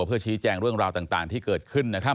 เพื่อชี้แจงเรื่องราวต่างที่เกิดขึ้นนะครับ